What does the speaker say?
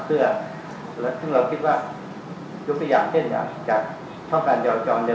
เพื่อและถึงเราคิดว่ายกตัวอย่างเช่นอย่างจากช่องการเจราจร